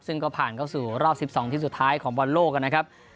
ซึ่งก็ผ่านเข้าสู่รอบ๑๒ทีมสุดท้ายของบอลโลกนะครับ